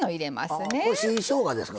これ新しょうがですか？